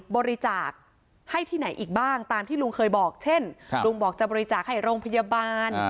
บริจาคให้ที่ไหนอีกบ้างตามที่ลุงเคยบอกเช่นลุงบอกจะบริจาคให้โรงพยาบาล